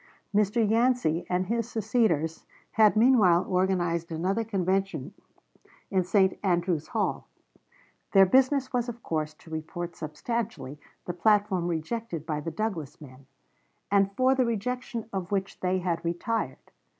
Mr. Yancey and his seceders had meanwhile organized another convention in St. Andrew's Hall. Their business was of course to report substantially the platform rejected by the Douglas men, and for the rejection of which they had retired.